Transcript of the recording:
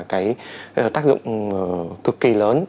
cái tác dụng cực kỳ lớn